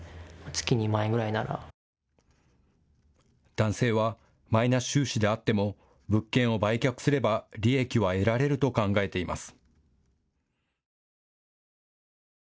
男性はマイナス収支であっても物件を売却すれば利益は得られると考えています。